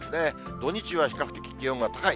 土日は比較的気温が高い。